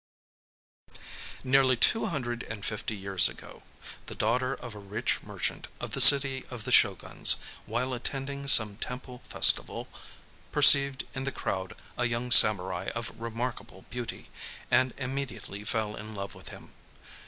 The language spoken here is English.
Nearly two hundred and fifty years ago, the daughter of a rich merchant of the city of the Shōguns, while attending some temple festival, perceived in the crowd a young samurai of remarkable beauty, and immediately fell in love with him.